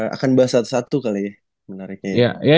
akan bahas satu satu kali ya